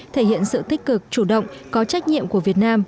thể hiện sự tích cực chủ động có trách nhiệm của việt nam